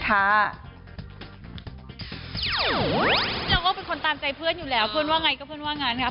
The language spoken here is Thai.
เราก็เป็นคนตามใจเพื่อนอยู่แล้วเพื่อนว่าไงก็เพื่อนว่างั้นครับ